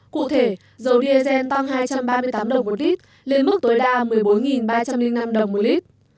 cụ thể dầu diesel tăng hai trăm ba mươi tám đồng một lít lên mức tối đa một mươi bốn ba trăm linh năm đồng một lít